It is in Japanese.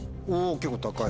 結構高い！